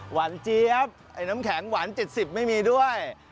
เจี๊ยบไอ้น้ำแข็งหวาน๗๐ไม่มีด้วย